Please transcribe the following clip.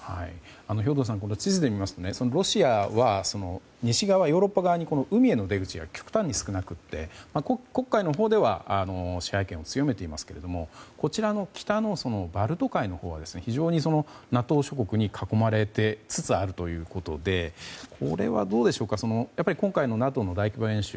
兵頭さん地図で見ますとロシアは西側、ヨーロッパ側に海への出口が極端に少なくて黒海のほうでは支配権を強めていますけれど北のバルト海のほうは非常にＮＡＴＯ諸国に囲まれつつあるということでこれは今回のＮＡＴＯの大規模演習